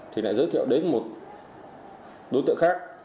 thì lại giới thiệu đến một đối tượng khác